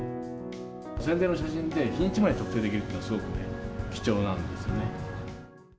生前の写真で、日にちまで特定できるっていうのは、すごく貴重なんですよね。